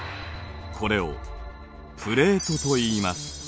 これをプレートといいます。